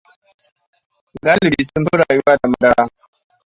Galibi sun fi rayuwa da madara.